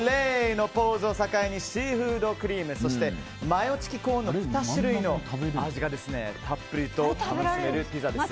のポーズを境にシーフードクリーム、そしてマヨチキコーンの２種類の味がたっぷりと楽しめるピザです。